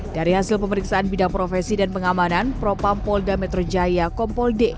dari hasil pemeriksaan bidang profesi dan pengamanan propam polda metro jaya kompol d